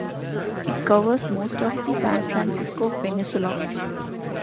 It covers most of the San Francisco Peninsula.